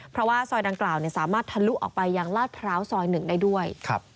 เพราะว่าซอยดังกล่าวสามารถทะลุออกไปยังลาดพร้าวซอย๑ได้ด้วย